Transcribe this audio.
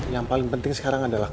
yang paling penting sekarang adalah